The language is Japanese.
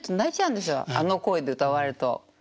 あの声で歌われると。